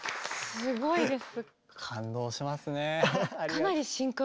すごいです。